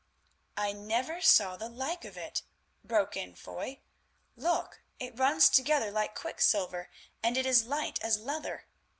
"I never saw the like of it," broke in Foy; "look, it runs together like quicksilver and is light as leather.